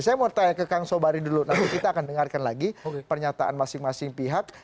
saya mau tanya ke kang sobari dulu nanti kita akan dengarkan lagi pernyataan masing masing pihak